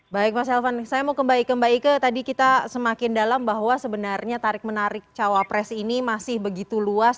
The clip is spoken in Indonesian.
baik mas elvan saya mau kembali ke tadi kita semakin dalam bahwa sebenarnya tarik menarik cawapres ini masih begitu luas